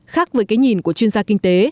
khác với cái nhìn của chuyên gia kinh tế